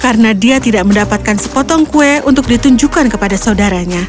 karena dia tidak mendapatkan sepotong kue untuk ditunjukkan kepada saudaranya